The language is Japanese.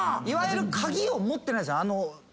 いわゆる鍵を持ってないです。